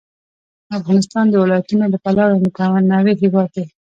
افغانستان د ولایتونو له پلوه یو متنوع هېواد دی.